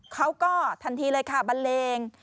เขาก็ทันทีเลยค่ะบันเลง